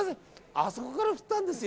あそこから振ったんですよ